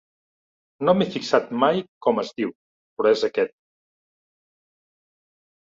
No m'he fixat mai com es diu, però és aquest.